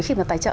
khi mà tài trợ